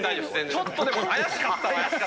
ちょっとでも怪しかった。